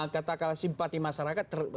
katakanlah simpati masyarakat